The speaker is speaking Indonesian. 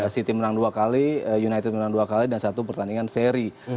city menang dua kali united menang dua kali dan satu pertandingan seri